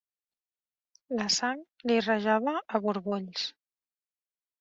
La sang li rajava a borbolls.